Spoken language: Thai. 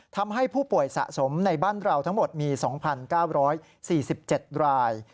ทำให้ผู้ป่วยสะสมในบ้านเราทั้งหมดมี๒๙๔๗ราย